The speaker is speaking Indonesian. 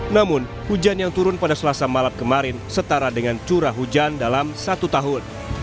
namun hujan yang turun pada selasa malam kemarin setara dengan curah hujan dalam satu tahun